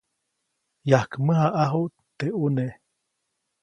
Yajkmäjaʼajuʼt teʼ ʼune.